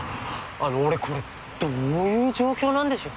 あの俺これどういう状況なんでしょう？